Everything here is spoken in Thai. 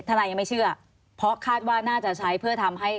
นายยังไม่เชื่อเพราะคาดว่าน่าจะใช้เพื่อทำให้